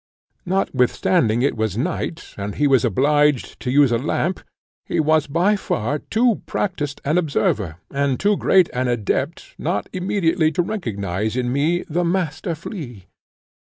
Notwithstanding it was night, and he was obliged to use a lamp, he was by far too practiced an observer, and too great an adept, not immediately to recognise in me the Master Flea.